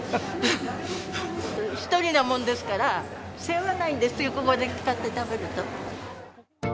１人なもんですから、世話ないんです、ここで買って食べると。